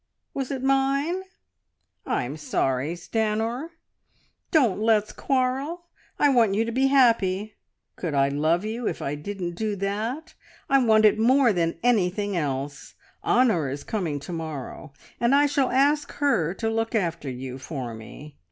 Was it mine? I'm sorry, Stanor. Don't let's quarrel! I want you to be happy. Could I love you if I didn't do that? I want it more than anything else. Honor is coming to morrow, and I shall ask her to look after you for me.